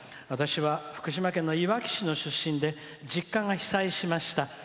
私は、福島県のいわき市の出身で実家が被災しました。